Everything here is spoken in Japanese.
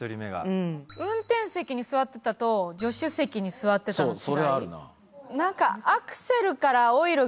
うん運転席に座ってたと助手席に座ってたの違い